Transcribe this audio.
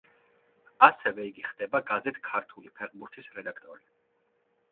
ასევე იგი ხდება გაზეთ „ქართული ფეხბურთის“ რედაქტორი.